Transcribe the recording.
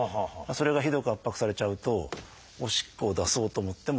それがひどく圧迫されちゃうとおしっこを出そうと思っても出ない。